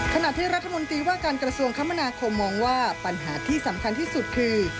ขณะที่รัฐมนตรีว่าการกระทรวงคมนาคมมองว่าปัญหาที่สำคัญที่สุดคือ